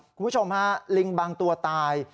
คุณผู้ชมฮะลิงบางตัวตาย